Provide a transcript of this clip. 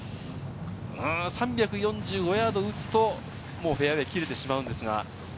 ３４５ヤード打つとフェアウエーが切れてしまいます。